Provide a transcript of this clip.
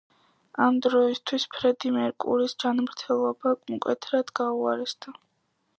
ამ დროისთვის ფრედი მერკურის ჯანმრთელობა მკვეთრად გაუარესდა.